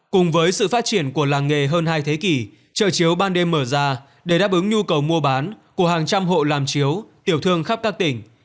cùng với sự phát triển của làng nghề hơn hai thế kỷ trợ chiếu ban đêm mở ra để đáp ứng nhu cầu mua bán của hàng trăm hộ làm chiếu tiểu thương khắp các tỉnh